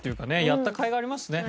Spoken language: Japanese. やったかいがありますね。